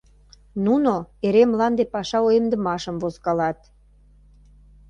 Нуно эре мланде паша уэмдымашым возкалат.